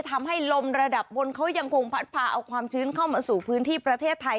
ทำให้ลมระดับบนเขายังคงพัดพาเอาความชื้นเข้ามาสู่พื้นที่ประเทศไทย